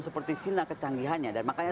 seperti cina kecanggihannya dan makanya